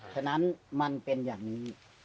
ฉะนั้นมันเป็นอย่างนี้